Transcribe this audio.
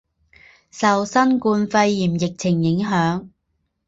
受新冠肺炎疫情影响